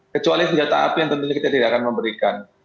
kecuali senjata api yang tentunya kita tidak akan memberikan